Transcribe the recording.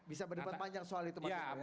bisa berdepan panjang soal itu mas eko